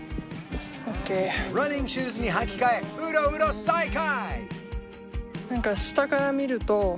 ランニングシューズに履き替えウロウロ再開！